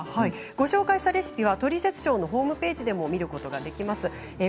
ご紹介したレシピは「トリセツショー」のホームページでも見ることができます。